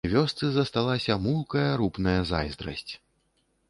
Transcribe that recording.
Вёсцы засталася мулкая, рупная зайздрасць.